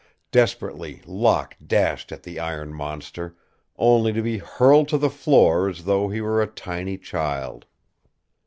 Desperately Locke dashed at the iron monster, only to be hurled to the floor as though he were a tiny child.